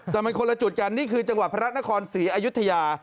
แต่มันคนละจุดกันนี่คือจังหวัดพระนครศรีอยุธยา